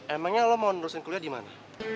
emangnya lo mau nerusin kuliah di mana